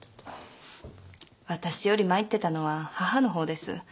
わたしより参ってたのは母の方です。